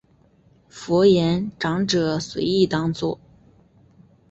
佛言长者随意当作。